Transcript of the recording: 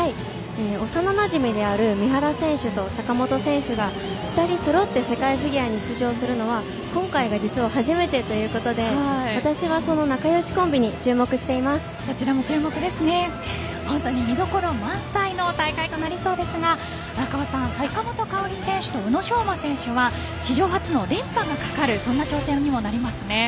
幼なじみである三原選手と坂本選手が２人そろって世界フィギュアに出場するのは今回が初めてということで私はその仲良しコンビに見どころ満載の大会となりそうですが荒川さん坂本花織選手と宇野昌磨選手は史上初の連覇がかかるそんな挑戦にもなりますね。